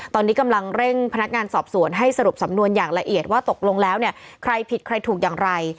ตอนนี้กำลังเร่งพนักงานสอบสวนให้สรุปสำนวนอย่างละเอียดว่าตกลงแล้วเนี่ยใครผิดใครถูกอย่างไร